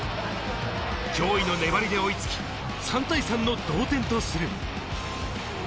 驚異の粘りで追いつき、３対３の同点とする。